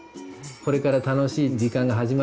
「これから楽しい時間が始まるよ」